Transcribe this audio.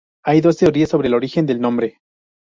Hay dos teorías sobre el origen del nombre.